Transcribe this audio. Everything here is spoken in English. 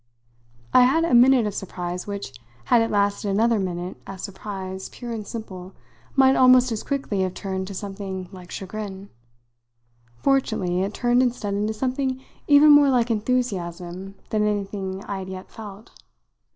I had a minute of surprise which, had it lasted another minute as surprise pure and simple, might almost as quickly have turned to something like chagrin. Fortunately it turned instead into something even more like enthusiasm than anything I had yet felt.